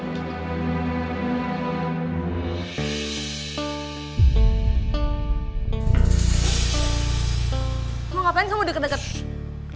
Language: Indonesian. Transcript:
kamu mau ngapain kamu deket deket